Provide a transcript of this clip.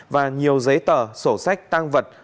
và nhiều giấy tờ sổ sách tăng vật